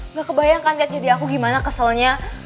nggak kebayangkan lihat jadi aku gimana keselnya